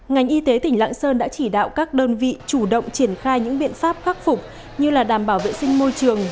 ngành y tế tỉnh lạng sơn đã chỉ đạo các đơn vị chủ động triển khai những biện pháp khắc phục như đảm bảo vệ sinh môi trường